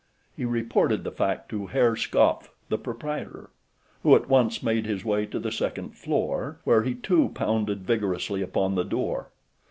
He reported the fact to Herr Skopf, the proprietor, who at once made his way to the second floor where he, too, pounded vigorously upon the door.